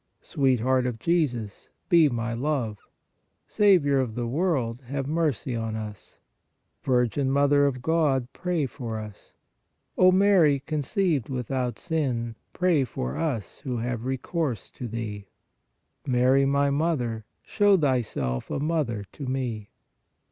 Sweet Heart of Jesus, be my love. Saviour of the world, 136 PRAYER have mercy on us. Virgin Mother of God, pray for us. O Mary, conceived without sin, pray for us who have recourse to Thee. Mary, my Mother, show thyself a mother to me.